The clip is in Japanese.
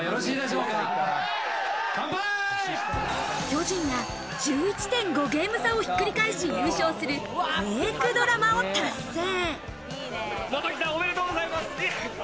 巨人が１１．５ゲーム差をひっくり返し優勝するフェイクドラマを達成。